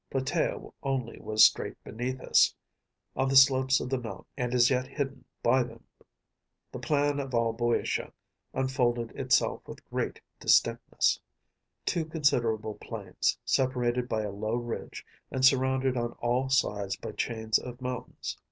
Platæa only was straight beneath us, on the slopes of the mountain, and as yet hidden by them. The plan of all BŇďotia unfolded itself with great distinctness‚ÄĒtwo considerable plains, separated by a low ridge, and surrounded on all sides by chains of mountains.